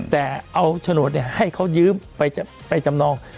แต่เอาโฉนดให้เขายืมไปจำนอง